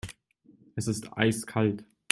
Es ist eiskalt.